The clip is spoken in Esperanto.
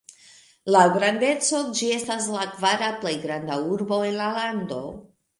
Laŭ grandeco ĝi estas la kvara plej granda urbo en la lando.